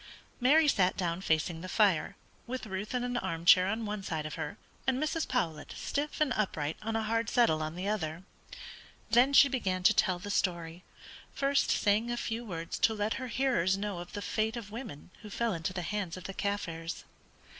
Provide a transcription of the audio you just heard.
Mary sat down facing the fire, with Ruth in an arm chair on one side of her, and Mrs. Powlett stiff and upright on a hard settle on the other. Then she began to tell the story, first saying a few words to let her hearers know of the fate of women who fell into the hands of the Kaffirs.